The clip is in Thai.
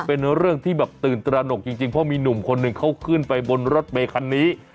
เป็นเรื่องที่แบบตื่นตระหนกจริงเพราะมีหนุ่มคนหนึ่งเขาขึ้นไปบนรถเมย์คันนี้